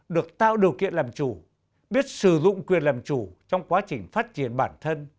được tạo điều kiện làm chủ biết sử dụng quyền làm chủ trong quá trình phát triển bản thân